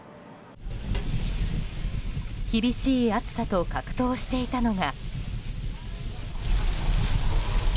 厳しい暑さと格闘していたのが。